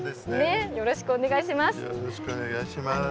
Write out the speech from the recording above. よろしくお願いします。